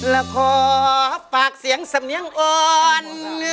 และขอฝากเสียงสำเนียงอ่อน